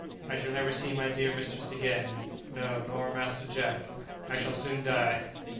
"I shall never see my dear mistress again; no, nor master Jack; I shall soon die."